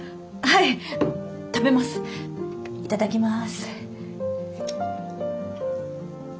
いただきます。